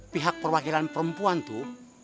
pihak perwakilan perempuan tuh